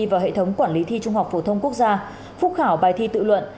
vào hệ thống quản lý thi trung học phổ thông quốc gia phúc khảo bài thi tự luận